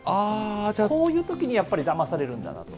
こういうときにやっぱりだまされるんだなと。